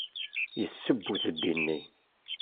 Yesseww udeddi-nni.